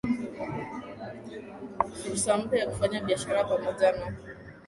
fursa mpya ya kufanya biashara pamoja na